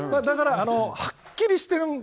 だから、はっきりしてる。